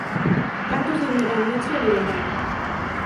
Cantos de independencia e liberdade.